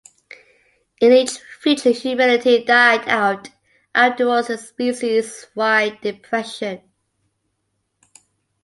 In each future humanity died out afterwards, in a species-wide depression.